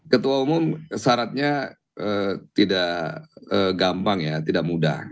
ketua umum syaratnya tidak gampang ya tidak mudah